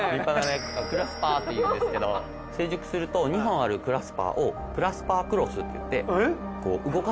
クラスパーっていうんですけど成熟すると２本あるクラスパーをクラスパークロスっていってこう動かす行動が。